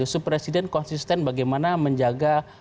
supresiden konsisten bagaimana menjaga